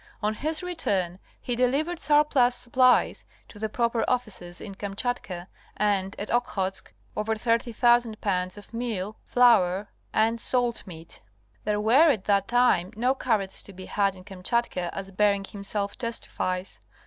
On his return he delivered surplus supplies to the proper officers in Kamchatka and at Okhotsk ever 30,000 lbs. of meal, flour and salt meat. There were at that time no carrots to be had in Kam chatka as Bering himself testifies.